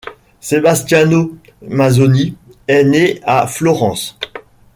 Sebastiano Mazzoni est né à Florence.